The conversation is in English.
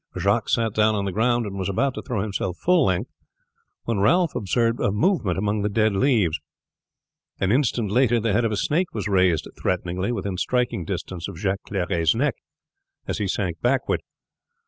Jacques sat down on the ground, and was about to throw himself full length when Ralph observed a movement among the dead leaves; an instant later the head of a snake was raised threateningly within striking distance of Jacques Clery's neck as he sank backward.